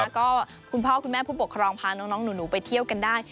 แล้วก็คุณพ่อคุณแม่ผู้ปกครองพาน้องหนูไปเที่ยวกันได้